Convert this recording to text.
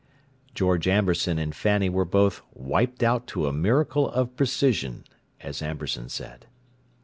George Amberson and Fanny were both "wiped out to a miracle of precision," as Amberson said.